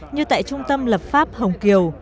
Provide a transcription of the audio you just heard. như tại trung tâm lập pháp hồng kiều